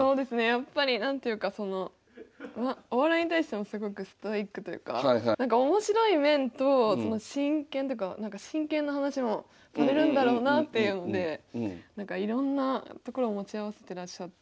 やっぱり何ていうかそのお笑いに対してもすごくストイックというかおもしろい面と真剣っていうか真剣な話もされるんだろうなっていうのでいろんなところを持ち合わせてらっしゃって。